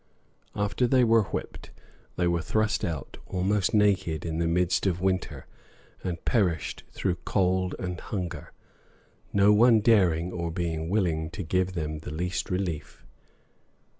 ] After they were whipped, they were thrust out almost naked in the midst of winter, and perished through cold and hunger; no one daring, or being willing, to give them the least relief.